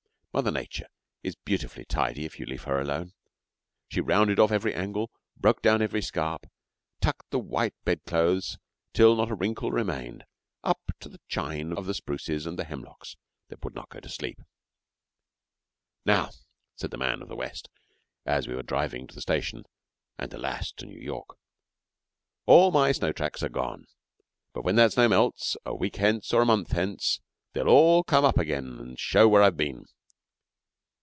Mother Nature is beautifully tidy if you leave her alone. She rounded off every angle, broke down every scarp, and tucked the white bedclothes, till not a wrinkle remained, up to the chine of the spruces and the hemlocks that would not go to sleep. 'Now,' said the man of the West, as we were driving to the station, and alas! to New York, 'all my snow tracks are gone; but when that snow melts, a week hence or a month hence, they'll all come up again and show where I've been.'